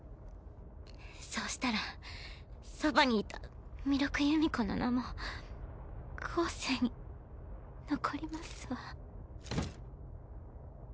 そうしたらそばにいた弥勒夕海子の名も後世に残りますわ。